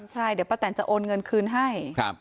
ใช่เดี๋ยวป้าแตนจะโอนเงินคืนให้